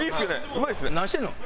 うまいですね！